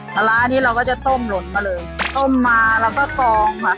ปลาร้านี้เราก็จะต้มหล่นมาเลยต้มมาแล้วก็กองค่ะ